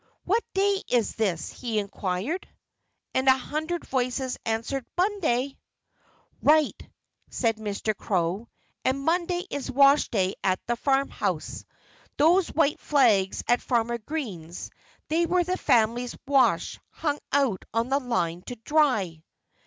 "What day is this?" he inquired. And a hundred voices answered: "Monday!" "Right!" said Mr. Crow. "And Monday is washday at the farmhouse. Those white flags at Farmer Green's they were the family wash, hung out on the line to dry!"